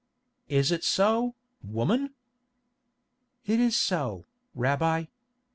"Is it so, woman?" "It is so, Rabbi."